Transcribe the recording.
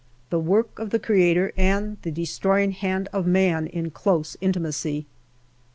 The work of the Creator and the destroying hand of man in close intimacy.